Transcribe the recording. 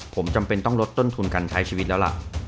ผมจำเป็นต้องลดต้นทุนการใช้ชีวิตแล้วล่ะ